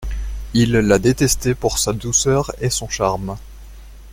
Il la détestait pour sa douceur et son charme.